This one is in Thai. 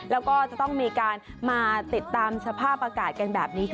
แล้วก็จะต้องมีการมาติดตามสภาพอากาศกันแบบนี้